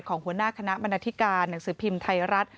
หัวหน้าคณะบรรณาธิการหนังสือพิมพ์ไทยรัฐ